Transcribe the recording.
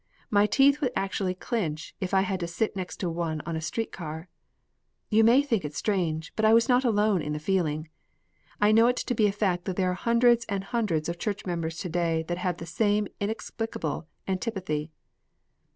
My teeth would actually clinch if I had to sit next to one on a street car. You may think it strange, but I was not alone in the feeling. I know it to be a fact that there are hundreds and hundreds of Church members to day that have the same inexplicable antipathy."